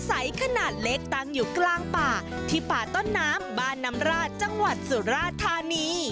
ใสขนาดเล็กตั้งอยู่กลางป่าที่ป่าต้นน้ำบ้านน้ำราชจังหวัดสุราธานี